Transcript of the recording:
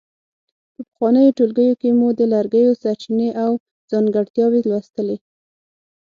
په پخوانیو ټولګیو کې مو د لرګیو سرچینې او ځانګړتیاوې لوستلې.